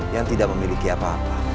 yang tidak memiliki apa apa